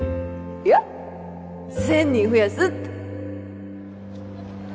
いや１０００人増やすって